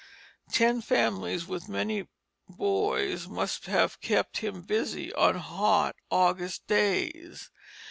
Ten families with many boys must have kept him busy on hot August days.